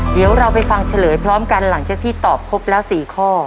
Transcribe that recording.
เดี๋ยวเราไปฟังเฉลยพร้อมกันหลังจากที่ตอบครบแล้ว๔ข้อ